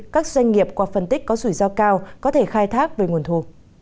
các doanh nghiệp qua phân tích có sủi giao cao có thể khai thác về nguồn thu